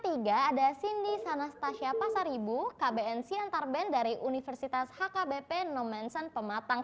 tiga ada cindy sanastasia pasaribu kbn siantar band dari universitas hkbp nomensen pematang